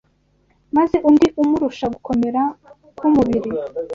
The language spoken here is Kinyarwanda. maze undi umurusha gukomera k’umubiri